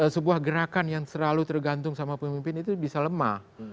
sebuah gerakan yang selalu tergantung sama pemimpin itu bisa lemah